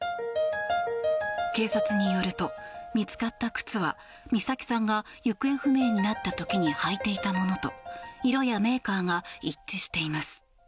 警察によると、見つかった靴は美咲さんが行方不明になった時に履いていたものと色やメーカーが一致しています。